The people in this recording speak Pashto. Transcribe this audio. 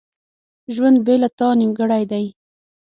ژوند بیله تا ډیر نیمګړی دی.